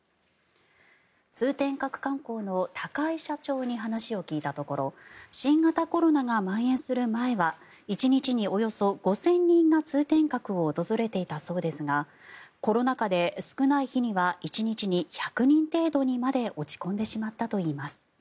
通天閣観光の高井社長に話を聞いたところ新型コロナがまん延する前は１日におよそ５０００人が通天閣を訪れていたそうですがコロナ禍で少ない日には１日に１００人程度にまで落ち込んでしまったといいます。